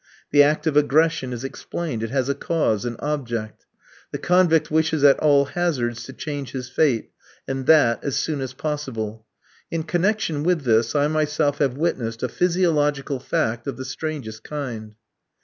The act of aggression is explained; it has a cause, an object. The convict wishes at all hazards to change his fate, and that as soon as possible. In connection with this, I myself have witnessed a physiological fact of the strangest kind.